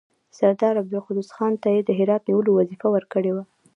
سردار عبدالقدوس خان ته یې د هرات نیولو وظیفه ورکړې وه.